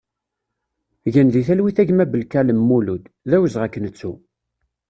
Gen di talwit a gma Belkalem Mulud, d awezɣi ad k-nettu!